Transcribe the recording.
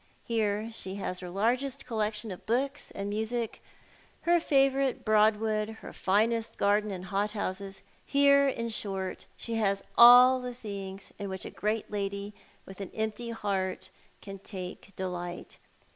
Here she has her largest collec tion of books and music, her favourite Broadwood, her finest garden and hothouses; here, in short, she has all the things in which a great lady with an empty heart can take delight.